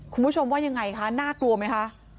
คุณผู้ชมว่ายังไงคะน่ากลัวไหมคะ